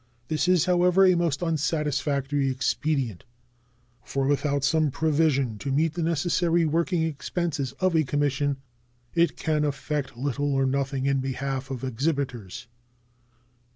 This is, however, a most unsatisfactory expedient, for without some provision to meet the necessary working expenses of a commission it can effect little or nothing in behalf of exhibitors.